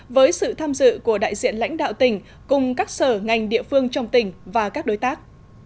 với sự tham dự của đại diện lãnh đạo tỉnh cùng các sở ngành địa phương trong tỉnh và các đối tác